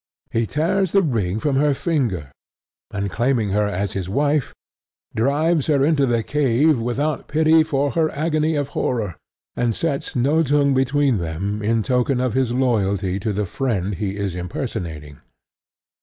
He tears the ring from her finger, and, claiming her as his wife, drives her into the cave without pity for her agony of horror, and sets Nothung between them in token of his loyalty to the friend he is impersonating.